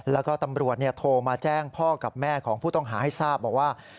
แล้วก็ตำรวจโทรมาแจ้งพ่อกับแม่ของผู้ต้องหาให้ทราบบอกว่า